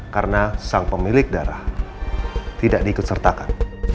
karena sang pemilik darah tidak diikutsertakan